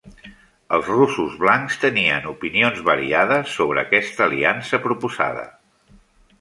Els russos blancs tenien opinions variades sobre aquesta aliança proposada.